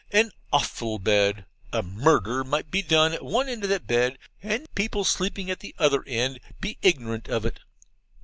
An awful bed! A murder might be done at one end of that bed, and people sleeping at the other end be ignorant of it.